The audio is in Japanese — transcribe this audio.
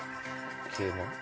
桂馬？